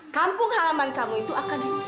kampung halaman kamu itu akan dibuka